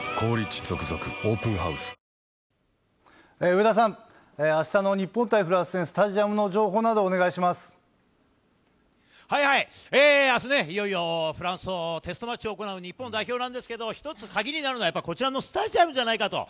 上田さん、あしたの日本対フランス戦、スタジアムの情報などをお願いしあすね、いよいよフランスとテストマッチを行う日本代表なんですけど、一つ、鍵になるのは、こちらのスタジアムじゃないかと。